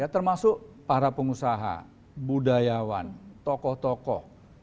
termasuk para pengusaha budayawan tokoh tokoh